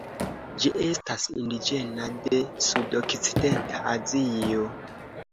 Ĝi estas indiĝena de sudokcidenta Azio.